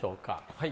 はい。